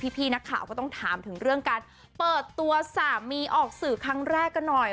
พี่นักข่าวก็ต้องถามถึงเรื่องการเปิดตัวสามีออกสื่อครั้งแรกกันหน่อย